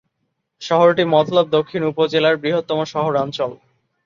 শহরটি মতলব দক্ষিণ উপজেলার বৃহত্তম শহরাঞ্চল।